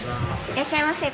いらっしゃいませ。